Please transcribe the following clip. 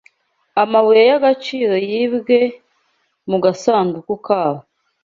Amabuye y'agaciro yibwe mu gasanduku kabo